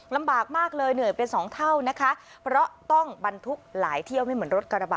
ลำบากมากเลยเหนื่อยเป็นสองเท่านะคะเพราะต้องบรรทุกหลายเที่ยวไม่เหมือนรถกระบะ